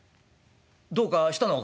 どうかしたのか？」。